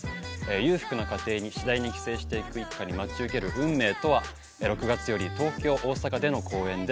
裕福な家庭に次第に寄生していく一家に待ち受ける運命とは６月より東京大阪での公演です